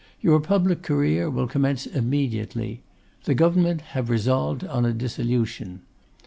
Your public career will commence immediately. The Government have resolved on a dissolution.